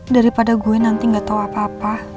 daripada gue nanti gak tau apa apa